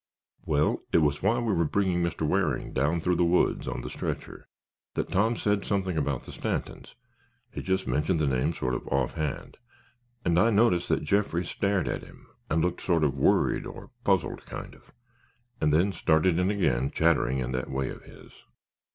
"Well, it was while we were bringing Mr. Waring down through the woods on the stretcher that Tom said something about the Stantons—he just mentioned the name sort of off hand, and I noticed that Jeffrey stared at him and looked sort of worried or puzzled, kind of, and then started in again chattering in that way of his.